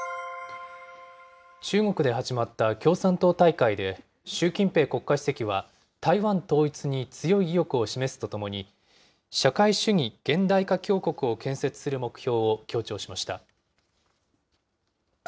中国で始まった共産党大会で、習近平国家主席は台湾統一に強い意欲を示すとともに、社会主義現代化強国を建設する目標を強調しました。